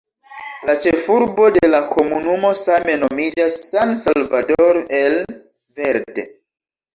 La ĉefurbo de la komunumo same nomiĝas "San Salvador el Verde".